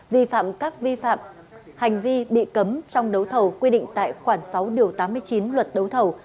vi phạm các vi phạm hành vi bị cấm trong đấu thầu quy định tại khoảng sáu điều tám mươi chín luật đấu thầu